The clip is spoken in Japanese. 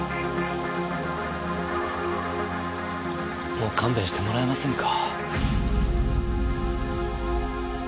もう勘弁してもらえませんか？